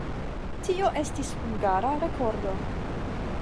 Tio estas hungara rekordo.